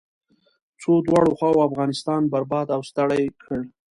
څو دواړو خواوو افغانستان برباد او ستړی کړ.